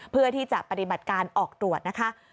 เพื่อที่จะปฏิบัติการออกตรวจนะคะ